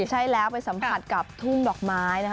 ใช่แล้วไปสัมผัสกับทุ่งดอกไม้นะคะ